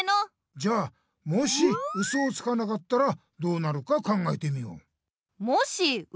じゃあもしウソをつかなかったらどうなるか考えてみよう。